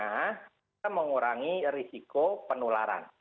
kita mengurangi risiko penularan